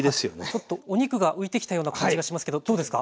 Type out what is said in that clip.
ちょっとお肉が浮いてきたような感じがしますけどどうですか？